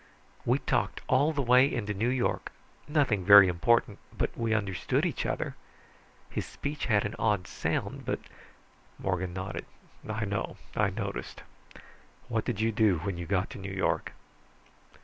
We talked all the way into New York nothing very important, but we understood each other. His speech had an odd sound, but " Morgan nodded. "I know, I noticed. What did you do when you got to New York?"